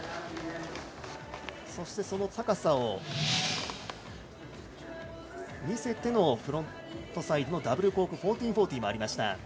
その高さを見せてのフロントサイドダブルコーク１４４０もありました。